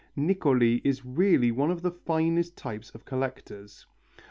] Niccoli is really one of the finest types of collectors.